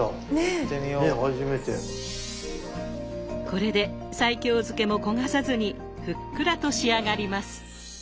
これで西京漬けも焦がさずにふっくらと仕上がります。